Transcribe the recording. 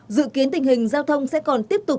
dự kiến tình hình giao thông sẽ còn tiếp tục